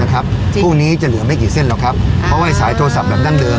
พรุ่งนี้จะเหลือไม่กี่เส้นหรอกครับเพราะว่าสายโทรศัพท์แบบดั้งเดิม